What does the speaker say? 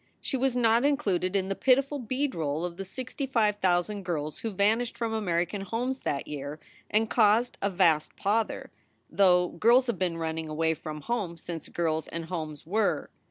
She was not included in the pitiful beadroll of the sixty five thousand girls who vanished from American homes that year and caused a vast pother, though girls have been running away from home since girls and homes were.